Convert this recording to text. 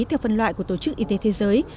theo phần loại của tổ chức y tế thế giới